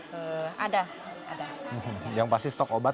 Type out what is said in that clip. jadi kita masih ada kekurangan beberapa obat